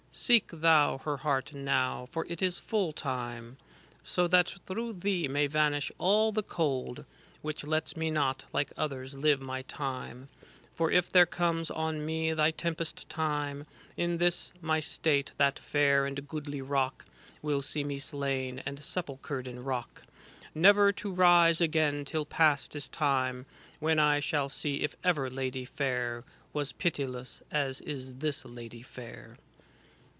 Seek thou her heart now, for it is full time. So that through thee may vanish all the cold. Which lets me not, like others, live my time ; For if there comes on me thy tempest time " In this my state, that fair and goodly rock Will see me slain and sepulchred in rock. Never to rise again till past is Time, When I shall see if ever lady fair Was pitiless as is this Lady fair.